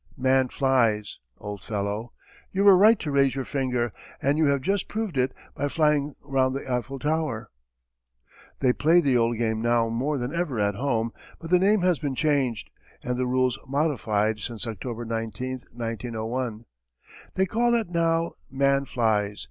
'Man flies!' old fellow! You were right to raise your finger, and you have just proved it by flying round the Eiffel Tower. "They play the old game now more than ever at home; but the name has been changed, and the rules modified since October 19, 1901. They call it now 'Man flies!'